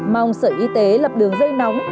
mong sở y tế lập đường dây nóng